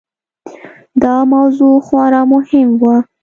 دا موضوع خورا مهمه وه.